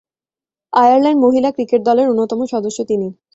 Ireland মহিলা cricket দলের অন্যতম সদস্য তিনি।